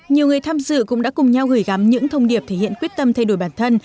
nhiều người tham dự cũng đã cùng nhau gửi gắm những thông điệp thể hiện quyết tâm thay đổi bản thân